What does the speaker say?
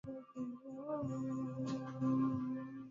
Mkwawa alijibu kushambulia vikosi vidogo vya jeshi la kikoloni